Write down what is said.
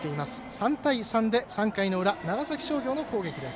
３対３で３回の裏長崎商業の攻撃です。